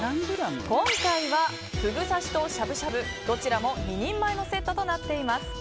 今回は、ふぐ刺しとしゃぶしゃぶどちらも２人前のセットとなっています。